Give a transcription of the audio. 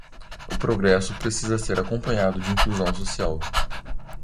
O progresso precisa ser acompanhado de inclusão social